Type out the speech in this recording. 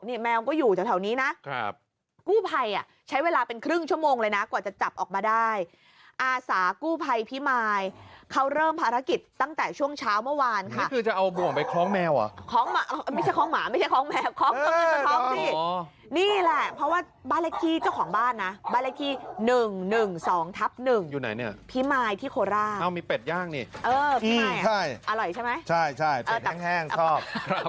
นี่แมวก็อยู่จากแถวนี้นะครับ